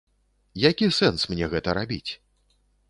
Які сэнс мне гэта рабіць?